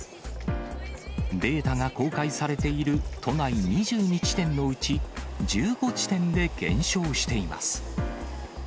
データが公開されている都内２２地点のうち１５地点で減少しています。